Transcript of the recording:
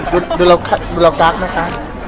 ดูแล้วกรักนะคะ